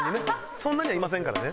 そんなにはいませんからね。